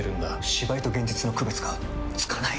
芝居と現実の区別がつかない！